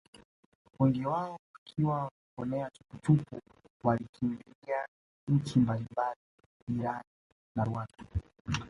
Wengi wao wakiwa Wameponea chupuchupu walikimbilia nchi mbalimbali jirani na Rwanda